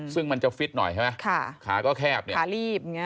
ซึ่งมันจะฟิตหน่อยใช่ไหมขาก็แคบขาลีบ